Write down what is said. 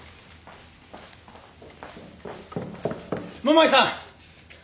桃井さん！